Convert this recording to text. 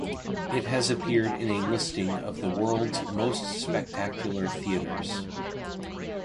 It has appeared in a listing of the world's most spectacular theatres.